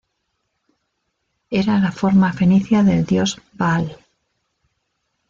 Era la forma fenicia del dios Baal.